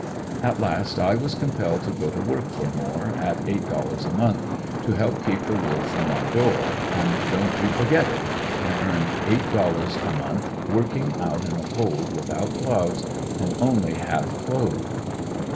At last I was compelled to go to work for Moore at eight dollars a month, to help keep the wolf from our door, and don't you forget it, I earned eight dollars a month, working out in the cold without gloves and only half clothed.